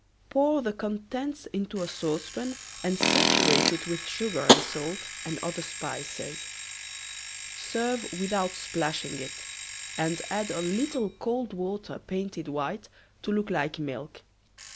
Pour the contents into a saucepan and saturate it with sugar and salt and other spices. Serve without splashing it, and add a little cold water painted white to look like milk.